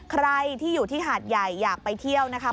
ใครที่อยู่ที่หาดใหญ่อยากไปเที่ยวนะคะ